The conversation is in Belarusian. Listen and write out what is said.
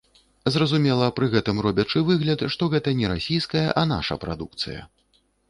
Зразумела, пры гэтым робячы выгляд, што гэта не расійская, а наша прадукцыя.